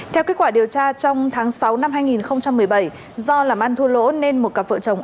theo kết quả điều tra trong tháng sáu năm hai nghìn một mươi bảy do làm ăn thua lỗ nên một cặp vợ chồng